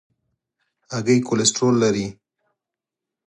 هګۍ کولیسټرول لري.